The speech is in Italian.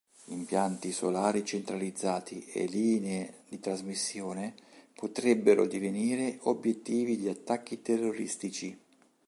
Impianti solari centralizzati e linee di trasmissione potrebbero divenire obiettivi di attacchi terroristici.